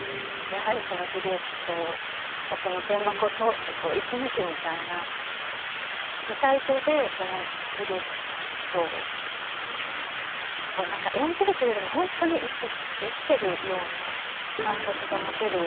やはりそのジュリエットを全幕を通して生き抜くみたいな舞台上でジュリエットを何か演じるというよりも本当に生きてるような感覚が持てる。